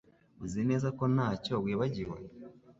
Uzi neza ko ntacyo wibagiwe